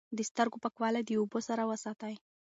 د سترګو پاکوالی د اوبو سره وساتئ.